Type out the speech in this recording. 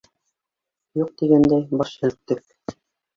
Юҡ тигәндәй баш һелктек.